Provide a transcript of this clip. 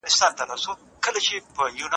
خاوند څنګه کولای سي د کرکي مخه ونيسي؟